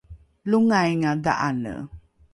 longainga dha’ane